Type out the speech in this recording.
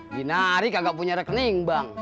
dinarik agak punya rekening bang